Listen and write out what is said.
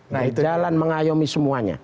berjalan mengayomi semua